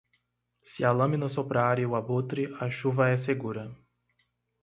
Se a lâmina soprar e o abutre, a chuva é segura.